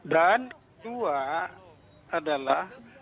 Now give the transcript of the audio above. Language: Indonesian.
dan kedua adalah